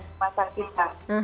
kita memanfaatkan masalah kita